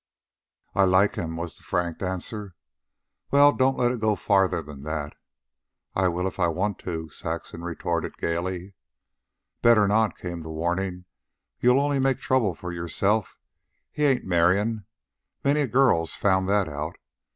"I like him," was the frank answer. "Well, don't let it go farther than that." "I will if I want to," Saxon retorted gaily. "Better not," came the warning. "You'll only make trouble for yourself. He ain't marryin'. Many a girl's found that out.